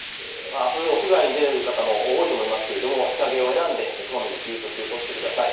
あす屋外に出る方も多いと思いますけれども日陰を選んでこまめに休息をとってください。